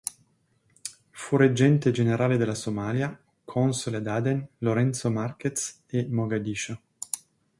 Fu reggente Generale della Somalia, console ad Aden, Lorenzo Marquez e Mogadiscio.